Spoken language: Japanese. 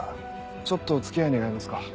ちょっとお付き合い願えますか？